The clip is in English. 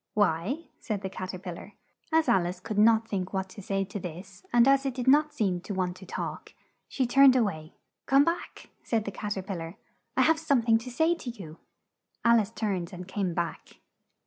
"Why?" said the Cat er pil lar. As Al ice could not think what to say to this and as it did not seem to want to talk, she turned a way. "Come back!" said the Cat er pil lar. "I have some thing to say to you!" Al ice turned and came back.